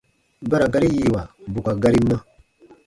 Ba ra gari yiiwa bù ka gari ma.